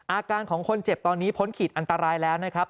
อาการของคนเจ็บตอนนี้พ้นขีดอันตรายแล้วนะครับ